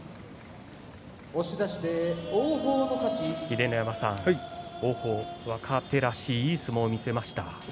秀ノ山さん、王鵬若手らしいいい相撲を見せました。